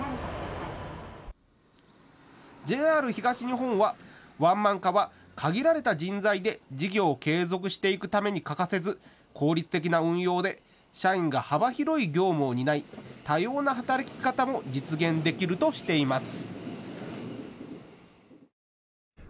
ＪＲ東日本はワンマン化は限られた人材で事業を継続していくために欠かせず効率的な運用で社員が幅広い業務を担い多様な働き方も実現できるとしています。